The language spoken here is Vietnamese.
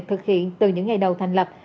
thực hiện từ những ngày đầu thành lập